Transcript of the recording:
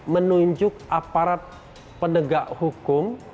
menunjuk aparat penegak hukum